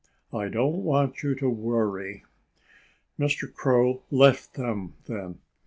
"I don't want you to worry." Mr. Crow left them then.